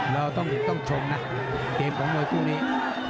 เราต้องชมนะเกมของมวยคู่นี้